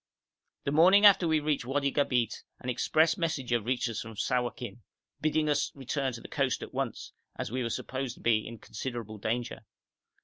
The morning after we reached Wadi Gabeit an express messenger reached us from Sawakin, bidding us return to the coast at once, as we were supposed to be in considerable danger.